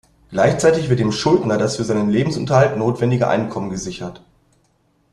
Gleichzeitig wird dem Schuldner das für seinen Lebensunterhalt notwendige Einkommen gesichert.